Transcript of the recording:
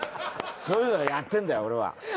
そういうのをやってんだよ俺は。